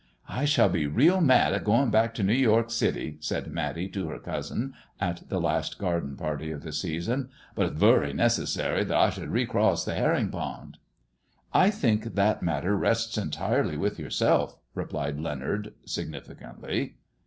" I shall be real mad at goin' back to New York city," said Matty to her cousin at the last garden party of the season ;*^ but it's vury necessary that I should recross the herring pond." " I think that matter rests entirely with yourself," replied Leonard, significantly.